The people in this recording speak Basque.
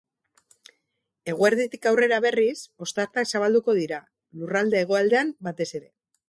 Eguerditik aurrera, berriz, ostarteak zabalduko dira, lurralde hegoaldean batez ere.